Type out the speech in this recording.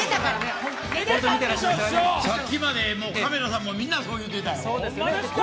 さっきまでカメラさんも、みんなそう言うてたよ。